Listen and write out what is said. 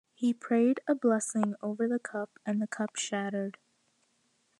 He prayed a blessing over the cup and the cup shattered.